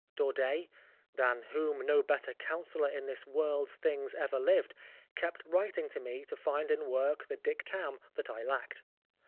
Daudet, than whom no better counsellor in this world's things ever lived, kept writing to me to find in work the dictame that I lacked.